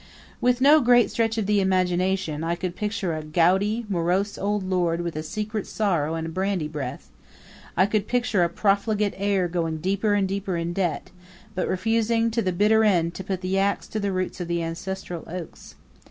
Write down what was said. With no great stretch of the imagination I could picture a gouty, morose old lord with a secret sorrow and a brandy breath; I could picture a profligate heir going deeper and deeper in debt, but refusing to the bitter end to put the ax to the roots of the ancestral oaks.